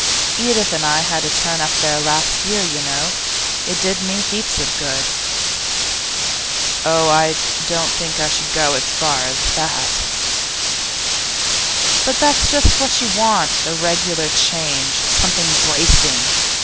Edith and I had a turn up there last year, you know; it did me heaps of good.' 'Oh, I don't think I should go so far as that.' 'But that's just what you want a regular change, something bracing.